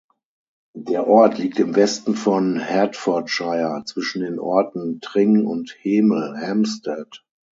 Der Ort liegt im Westen von Hertfordshire zwischen den Orten Tring und Hemel Hempstead.